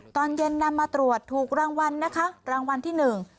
ตอนเย็นนำมาตรวจถูกรางวัลนะคะรางวัลที่หนึ่ง